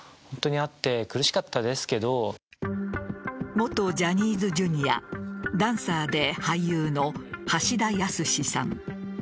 元ジャニーズＪｒ．ダンサーで俳優の橋田康さん。